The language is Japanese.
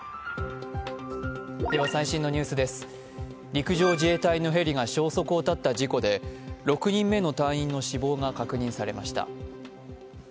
陸上自衛隊のヘリが消息を絶った事故で６人目の隊員の死亡が確認されました。